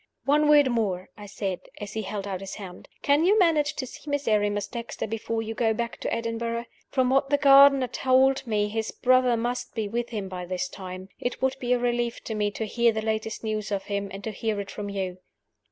"One word more," I said, as he held out his hand. "Can you manage to see Miserrimus Dexter before you go back to Edinburgh? From what the gardener told me, his brother must be with him by this time. It would be a relief to me to hear the latest news of him, and to hear it from you."